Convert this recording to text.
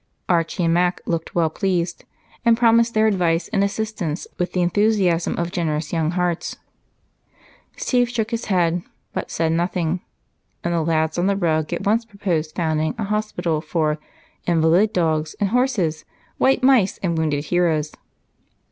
Archie and Mac looked well pleased and promised their advice and assistance with the enthusiasm of generous young hearts. Steve shook his head, but said nothing, and the lads on the rug at once proposed founding a hospital for invalid dogs and horses, white mice, and wounded heroes.